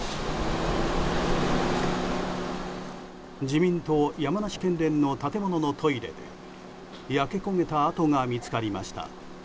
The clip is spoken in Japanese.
自民党山梨県連の建物のトイレで焼け焦げた跡が見つかりました。